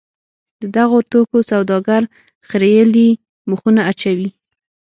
د دغو توکو سوداګر خریېلي مخونه اچوي.